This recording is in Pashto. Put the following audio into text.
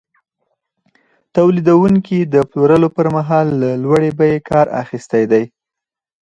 تولیدونکي د پلورلو پر مهال له لوړې بیې کار اخیستی دی